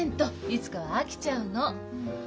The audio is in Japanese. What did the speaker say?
いつかは飽きちゃうの。